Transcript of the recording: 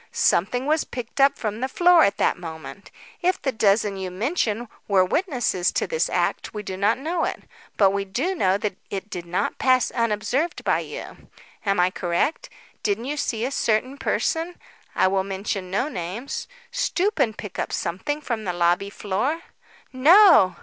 "Something was picked up from the floor at that moment. If the dozen you mention were witnesses to this act we do not know it. But we do know that it did not pass unobserved by you. Am I not correct? Didn't you see a certain person I will mention no names stoop and pick up something from the lobby floor?" "No."